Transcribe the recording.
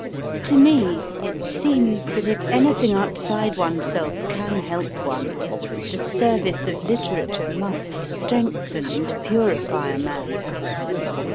To me it seems that if anything outside oneself can help one, the service of literature must strengthen and purify a man.